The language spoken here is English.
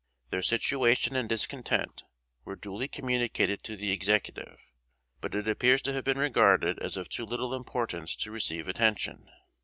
Their situation and discontent were duly communicated to the Executive; but it appears to have been regarded as of too little importance to receive attention.